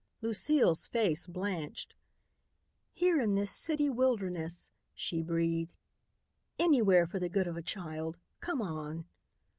Lucile's face blanched. "Here in this city wilderness," she breathed. "Anywhere for the good of a child. Come on."